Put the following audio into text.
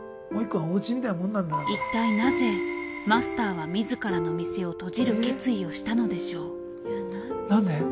いったいなぜマスターは自らの店を閉じる決意をしたのでしょう？